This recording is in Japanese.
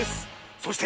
そして！